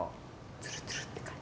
ツルツルって感じ。